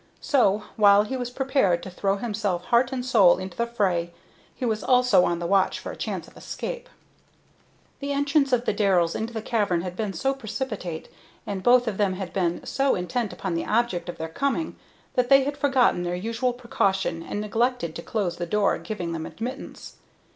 So, while he was prepared to throw himself heart and soul into the fray, he was also on the watch for a chance of escape. The entrance of the Darrell's into the cavern had been so precipitate, and both of them had been so intent upon the object of their coming, that they had forgotten their usual precaution and neglected to close the door giving them admittance.